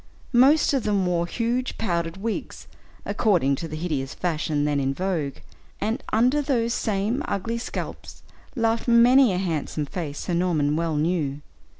Most of them wore huge powdered wigs, according to the hideous fashion then in vogue, and under those same ugly scalps, laughed many a handsome face Sir Norman well knew.